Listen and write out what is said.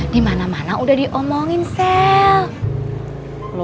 di mana mana udah diomongin sel